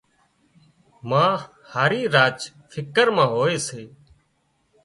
ما هارِي راچ فڪر مان هوئي سي